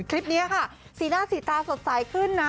คลิปนี้ค่ะสีหน้าสีตาสดใสขึ้นนะ